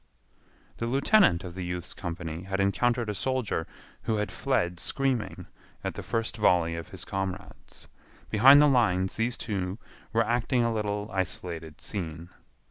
The lieutenant of the youth's company had encountered a soldier who had fled screaming at the first volley of his comrades. Behind the lines these two were acting a little isolated scene.